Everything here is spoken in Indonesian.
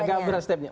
agak berat step nya